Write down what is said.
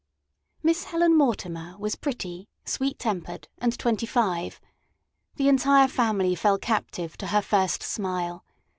Miss Helen Mortimer was pretty, sweet tempered, and twenty five. The entire family fell captive to her first smile.